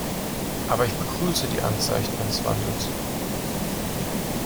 Aber ich begrüße die Anzeichen eines Wandels.